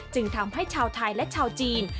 จึงทำให้ชาวไทยและชาวจีน